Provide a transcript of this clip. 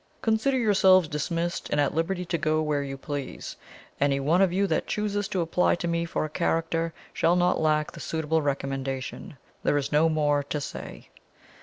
"Consider yourselves dismissed, and at liberty to go where you please. Any one of you that chooses to apply to me for a character shall not lack the suitable recommendation. There is no more to say."